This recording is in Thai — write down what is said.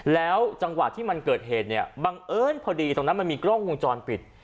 แล้วจังหวะที่มันเกิดเหตุเนี่ยบังเอิญพอดีตรงนั้นมันมีกล้องวงจรปิด